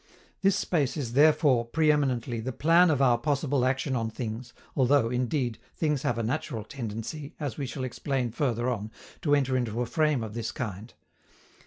This space is therefore, pre eminently, the plan of our possible action on things, although, indeed, things have a natural tendency, as we shall explain further on, to enter into a frame of this kind.